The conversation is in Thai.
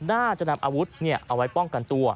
น่าจะนำอาวุธเอาไว้ป้องกันตัว